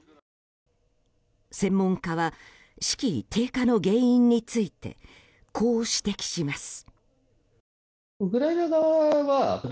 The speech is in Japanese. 専門家は士気低下の原因についてこう指摘します。